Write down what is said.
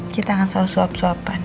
kita akan selalu sop sopan